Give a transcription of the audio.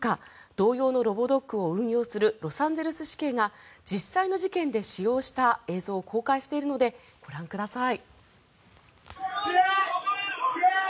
同様のロボドッグを運用するロサンゼルス市警が実際の事件で使用した映像を公開しているのでご覧ください。